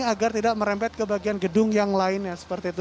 agar tidak merempet ke bagian gedung yang lainnya seperti itu